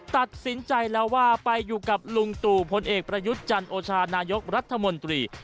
ตัดสินใจแล้วว่าไปอยู่กับลุงตู่พลเอกประยุทธ์จันโอชานายกรัฐมนตรี